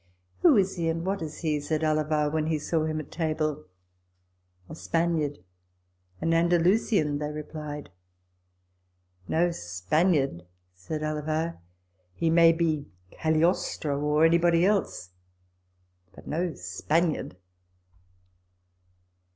" Who is he and what is he ?" said Alava when he saw him at table. " A Spaniard, an Andalu sian," they replied. " No Spaniard," said Alava ;" he may be Cagliostro, or anybody else, but no Spaniard."